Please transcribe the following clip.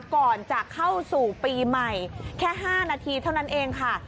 ก่อนจะเข้าสู่ปีใหม่แค่๕นาทีเท่านั้นเองค่ะ